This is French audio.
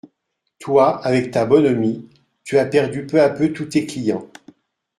Toi, avec ta bonhomie, tu as perdu peu à peu tous tes clients…